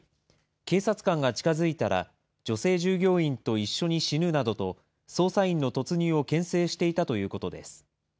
警察官が近づいたら、女性従業員と一緒に死ぬなどと、捜査員の突入をけん制していたということです。